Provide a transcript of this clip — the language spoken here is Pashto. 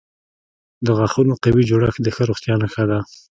د غاښونو قوي جوړښت د ښه روغتیا نښه ده.